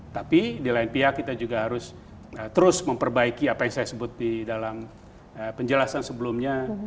tapi di lain pihak kita juga harus terus memperbaiki apa yang saya sebut di dalam penjelasan sebelumnya